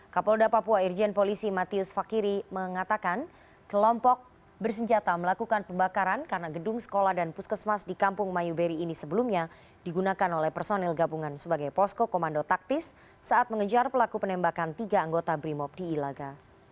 kapolda papua irjen polisi matius fakiri mengatakan kelompok bersenjata melakukan pembakaran karena gedung sekolah dan puskesmas di kampung mayuberi ini sebelumnya digunakan oleh personil gabungan sebagai posko komando taktis saat mengejar pelaku penembakan tiga anggota brimob di ilaga